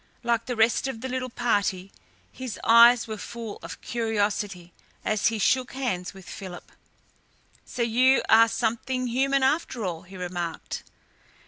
Like the rest of the little party, his eyes were full of curiosity as he shook hands with Philip. "So you are something human, after all," he remarked.